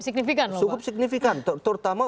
signifikan cukup signifikan terutama